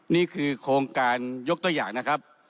นี่คือโครงการยกตัวอย่างนะครับ